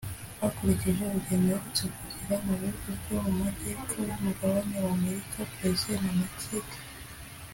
bakurikije urugendo aherutse kugirira mu bihugu byo mu majyepfo y’umugabane w’ Amerika (Brésil na Méxique)